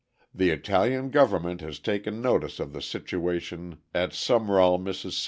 The Italian Government has taken notice of the situation at Sumrall, Miss.